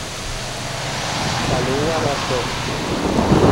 Kal i warasa.